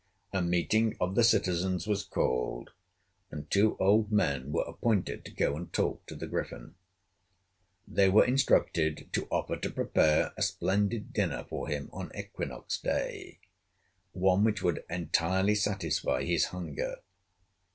A meeting of the citizens was called, and two old men were appointed to go and talk to the Griffin. They were instructed to offer to prepare a splendid dinner for him on equinox day, one which would entirely satisfy his hunger.